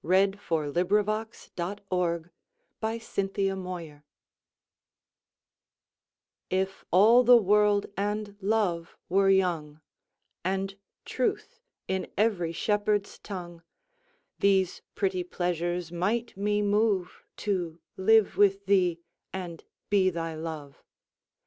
Her Reply (Written by Sir Walter Raleigh) IF all the world and love were young, And truth in every shepherd's tongue, These pretty pleasures might me moveTo live with thee and be thy Love.